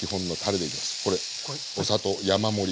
これお砂糖山盛り。